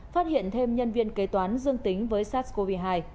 phát hiện thêm nhân viên kế toán dương tính với sars cov hai